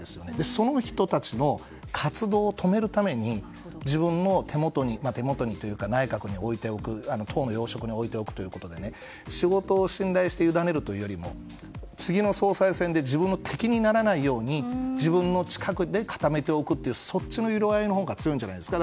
その人たちの活動を止めるために自分の手元にというか内閣に置いておく党の要職に置いておくということで仕事を信頼して委ねるというより次の総裁選で自分の敵にならないように自分の近くで固めておくというそっちの色合いのほうが強いんじゃないですか。